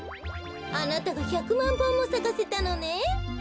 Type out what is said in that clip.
あなたが１００まんぼんもさかせたのねん。